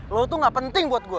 lo tuh gak penting buat gue